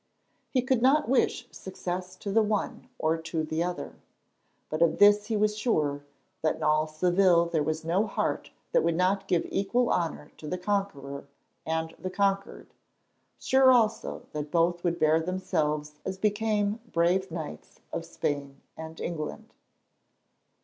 He could not wish success to the one or to the other; but of this he was sure, that in all Seville there was no heart that would not give equal honour to the conqueror and the conquered, sure also that both would bear themselves as became brave knights of Spain and England.